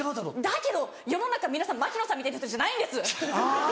だけど世の中皆さん槙野さんみたいな人じゃないんです！